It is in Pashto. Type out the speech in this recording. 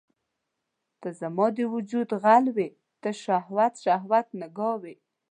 ته زما د وجود غل وې ته شهوت، شهوت نګاه وي